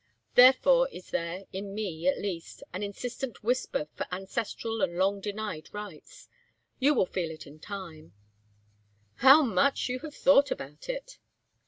Therefore is there, in me, at least, an insistent whisper for ancestral and long denied rights. You will feel it in time " "How much you have thought about it!"